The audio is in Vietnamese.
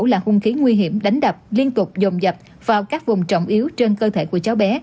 là hung khí nguy hiểm đánh đập liên tục dồn dập vào các vùng trọng yếu trên cơ thể của cháu bé